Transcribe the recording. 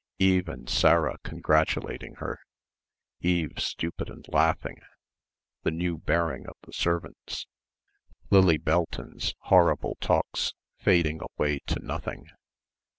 Eve and Sarah congratulating her, Eve stupid and laughing ... the new bearing of the servants ... Lilla Belton's horrible talks fading away to nothing.